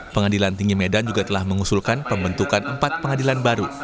pengadilan tinggi medan juga telah mengusulkan pembentukan empat pengadilan baru